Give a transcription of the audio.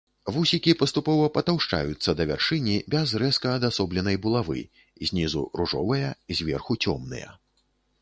Вусікі паступова патаўшчаюцца да вяршыні, без рэзка адасобленай булавы, знізу ружовыя, зверху цёмныя.